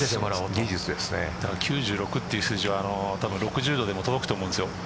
９６という数字は６０度でも届くと思うんですよ。